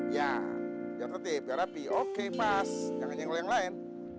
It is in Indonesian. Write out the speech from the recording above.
ya biar tetep biar rapi oke pas jangan nyenggol yang lain